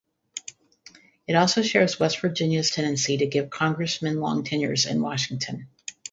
It also shares West Virginia's tendency to give congressmen long tenures in Washington.